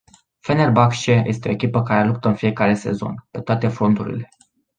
Fenerbahce este o echipă care luptă în fiecare sezon, pe toate fronturile.